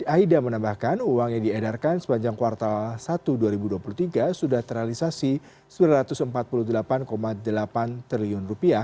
aida menambahkan uang yang diedarkan sepanjang kuartal satu dua ribu dua puluh tiga sudah terrealisasi rp sembilan ratus empat puluh delapan delapan triliun